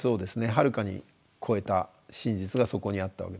はるかに超えた真実がそこにあったわけです。